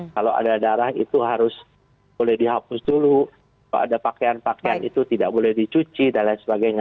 kalau ada darah itu harus boleh dihapus dulu kalau ada pakaian pakaian itu tidak boleh dicuci dan lain sebagainya